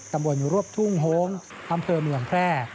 ตำรวจรวบทุ่งโฮงอำเภอเมืองแพร่